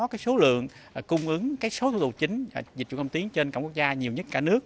thể thường cung ứng cái số thủ tục chính dịch vụ công tiến trên cảng quốc gia nhiều nhất cả nước